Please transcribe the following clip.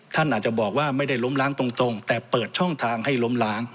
ท่านอาจจะบอกว่าไม่ได้ล้มล้างตรงแต่เปิดช่องทางให้ล้มล้าง